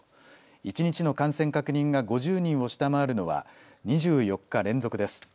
一日の感染確認が５０人を下回るのは２４日連続です。